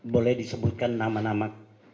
boleh disebutkan nama nama